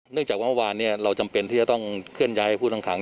เนื่องจากว่าเมื่อนี่เราจำเป็นที่จะต้องเคลื่อนย้ายผู้ต่าง